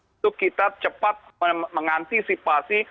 untuk kita cepat mengantisipasi